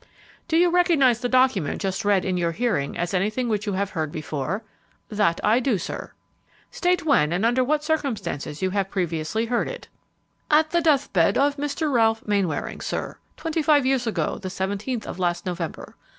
"Do you recognize the document just read in your hearing as anything which you have heard before?" "That I do, sir." "State when and under what circumstances you have previously heard it." "At the death bed of Mr. Ralph Mainwaring, sir, twenty five years ago the seventeenth of last November.